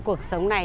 cuộc sống này